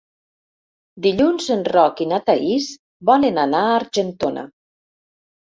Dilluns en Roc i na Thaís volen anar a Argentona.